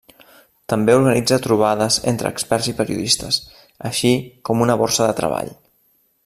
També organitza trobades entre experts i periodistes, així com una borsa de treball.